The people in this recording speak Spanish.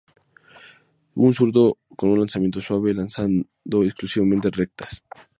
Un zurdo con un lanzamiento suave, lanzando exclusivamente rectas.